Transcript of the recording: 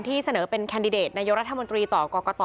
เสนอเป็นแคนดิเดตนายกรัฐมนตรีต่อกรกต